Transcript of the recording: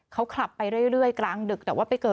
เขาขลับไปเรื่อยกลางดึก